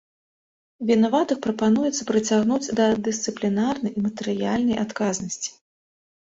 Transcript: Вінаватых прапануецца прыцягнуць да дысцыплінарнай і матэрыяльнай адказнасці.